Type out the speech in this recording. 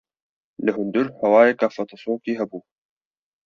Li hundir hewayeke fetisokî hebû.